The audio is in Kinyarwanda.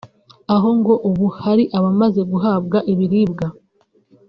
aho ngo ubu hari abamaze guhabwa ibiribwa